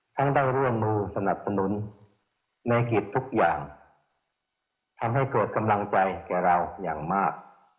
ทั้งได้ร่วมมือสนับสนุนในกิจทุกอย่างทำให้เกิดกำลังใจแก่เราอย่างมาก